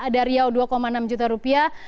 dari riau dua enam juta rupiah